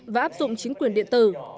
và áp dụng chính quyền điện tử